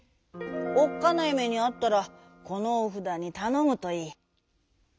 おっかないめにあったらこのおふだにたのむといい」。